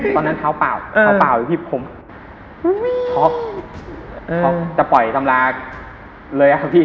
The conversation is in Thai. เท้าเปล่าเท้าเปล่าอยู่ที่ผมท็อปจะปล่อยตำราเลยครับพี่